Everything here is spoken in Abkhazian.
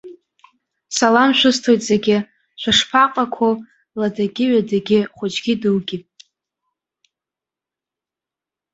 Салам шәысҭоит зегьы, шәышԥаҟақәоу, ладагьы ҩадагьы, хәыҷгьы дугьы?